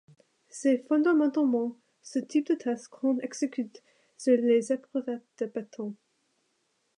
C'est fondamentalement ce type de test qu'on exécute sur les éprouvettes de béton.